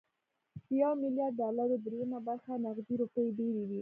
د يو ميليارد ډالرو درېيمه برخه نغدې روپۍ ډېرې وي